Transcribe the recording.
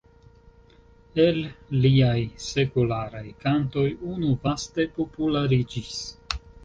El liaj sekularaj kantoj unu vaste populariĝis.